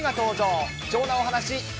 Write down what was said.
貴重なお話。